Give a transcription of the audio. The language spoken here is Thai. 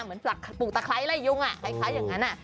เหมือนปลูกตะไคร้ไล่ยุงคล้ายอย่างนั้น